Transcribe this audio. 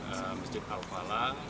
ada peristiwa di masjid al falah